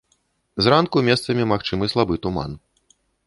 Зранку месцамі магчымы слабы туман.